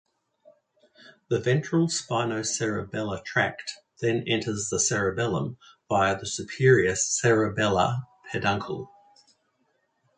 The ventral spinocerebellar tract then enters the cerebellum via the superior cerebellar peduncle.